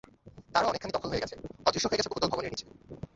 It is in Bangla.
তারও অনেকখানি দখল হয়ে গেছে, অদৃশ্য হয়ে গেছে বহুতল ভবনের নিচে।